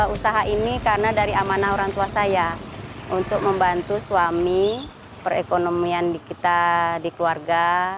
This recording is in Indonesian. usaha ini karena dari amanah orang tua saya untuk membantu suami perekonomian kita di keluarga